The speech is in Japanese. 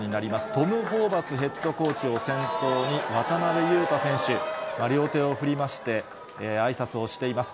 トム・ホーバスヘッドコーチを先頭に、渡邊雄太選手、両手を振りまして、あいさつをしています。